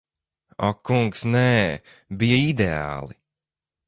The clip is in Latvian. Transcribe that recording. Ak kungs, nē. Bija ideāli.